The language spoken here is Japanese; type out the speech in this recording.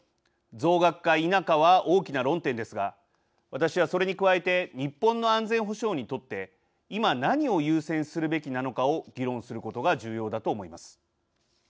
増額か否かは大きな論点ですが私は、それに加えて日本の安全保障にとって、今何を優先するべきなのかを議論することが重要だと思います。